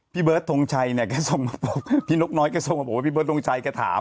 พี่เบิร์ดทงชัยก็ส่งมาบอกพี่นกน้อยก็ส่งมาบอกพี่เบิร์ดทงชัยก็ถาม